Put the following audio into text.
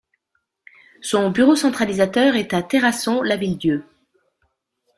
Son bureau centralisateur est à Terrasson-Lavilledieu.